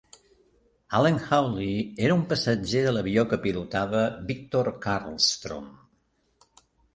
Alan Hawley era un passatger de l'avió que pilotava Victor Carlstrom.